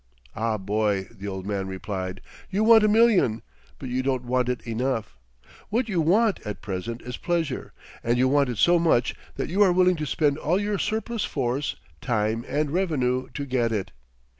"Ah, boy," the old man replied, "you want a million; but you don't want it enough. What you want at present is pleasure, and you want it so much that you are willing to spend all your surplus force, time, and revenue to get it.